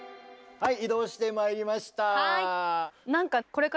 はい。